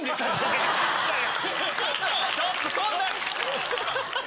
ちょっとそんな！